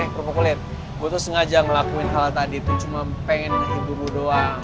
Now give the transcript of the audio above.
eh repo kulit gua tuh sengaja ngelakuin hal tadi tuh cuma pengen ngehibur lu doang